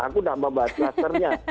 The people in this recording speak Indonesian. aku nama bahas klasternya